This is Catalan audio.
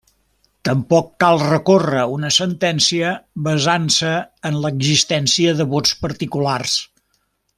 Tampoc cal recórrer una sentència basant-se en l'existència de vots particulars.